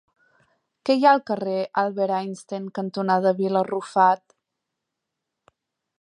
Què hi ha al carrer Albert Einstein cantonada Vila Arrufat?